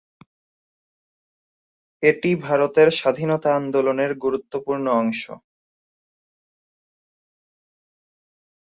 এটি ভারতের স্বাধীনতা আন্দোলনের গুরুত্বপূর্ণ অংশ।